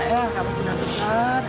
ya kamu sudah besar